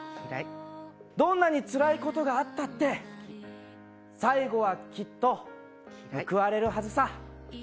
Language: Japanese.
どんなにつらいことがあったって、最後はきっと報われるはずさ。